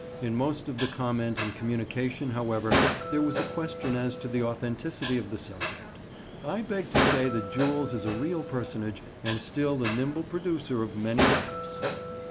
In most of the comment and communication, however, there was a question as to the authenticity of the subject. I beg to say that Jules is a real personage and still the nimble producer of many laughs.